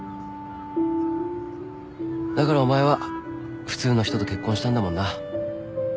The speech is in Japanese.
だからお前は普通の人と結婚したんだもんな。